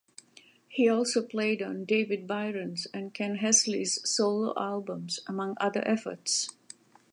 He also played on David Byron's and Ken Hensley's solo albums, among other efforts.